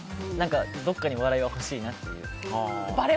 どこかに笑いは欲しいなっていう。